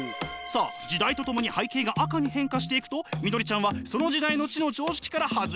さあ時代とともに背景が赤に変化していくとみどりちゃんはその時代の知の常識から外れてしまいました。